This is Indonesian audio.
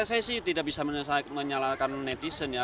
ya saya sih tidak bisa menyesal menyalakan netizen ya